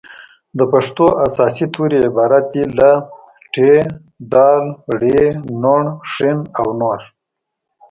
د پښتو اساسي توري عبارت دي له : ټ ډ ړ ڼ ښ او نور